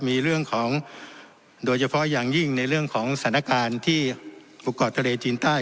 มีเรื่องของโดยเฉพาะอย่างยิ่งในเรื่องของสถานการณ์ที่ภูเกาะทะเลจีนใต้